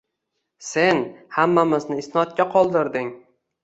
Sen hammamizni isnodga qoldirding